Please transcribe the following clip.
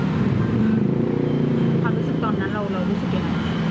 ความรู้สึกตอนนั้นเรารู้สึกยังไง